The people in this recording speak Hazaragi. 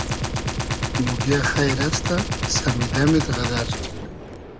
موگیۂ خݷر استۂ ؟ سئمیدئمید غئدئر